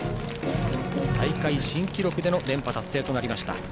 大会新記録での連覇達成となりました。